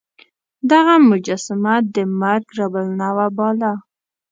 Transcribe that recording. دغه مجسمه د مرګ رب النوع باله.